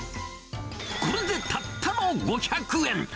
これでたったの５００円。